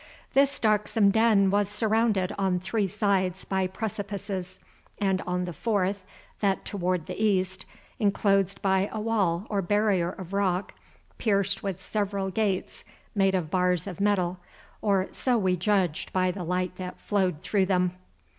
This darksome den was surrounded on three sides by precipices, and on the fourth, that toward the east, enclosed by a wall or barrier of rock pierced with several gates made of bars of metal, or so we judged by the light that flowed through them.